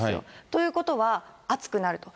ということは、暑くなると。